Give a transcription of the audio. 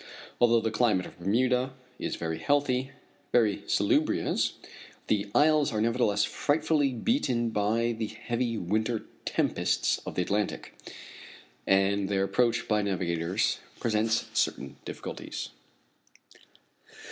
Although the climate of Bermuda is very healthy, very salubrious, the isles are nevertheless frightfully beaten by the heavy winter tempests of the Atlantic, and their approach by navigators presents certain difficulties.